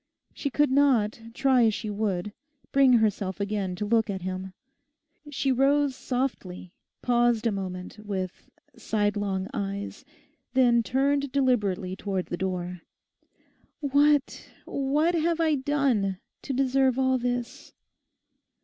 She could not, try as she would, bring herself again to look at him. She rose softly, paused a moment with sidelong eyes, then turned deliberately towards the door, 'What, what have I done to deserve all this?